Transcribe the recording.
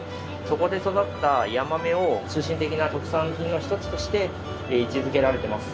そこで育ったヤマメを中心的な特産品の一つとして位置づけられています。